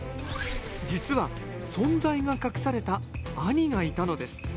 実は存在が隠された兄がいたのです。